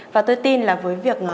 và tôi tin là với việc